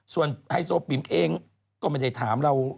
ส่วนไฮโซปิ๋มเองก็ไม่ได้ถามเรา